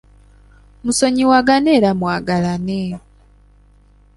Musonyiwagane era mwagalane.